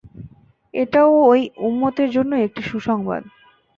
এটাও এই উম্মতের জন্যে একটা সুসংবাদ।